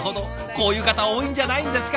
こういう方多いんじゃないんですか。